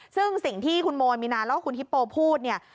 ซึ่งสิ่งที่คุณโมมีนาแล้วก็คุณฮิปโปพูดเนี่ย